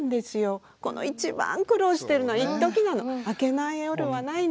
この一番苦労してるのいっときなの。